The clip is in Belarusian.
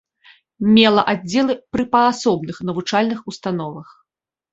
Мела аддзелы пры паасобных навучальных установах.